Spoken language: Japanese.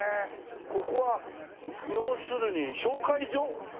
ここは要するに紹介所？